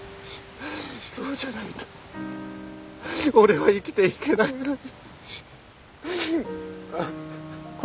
そうじゃないと俺は生きていけないのに！